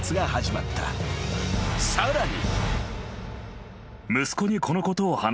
［さらに］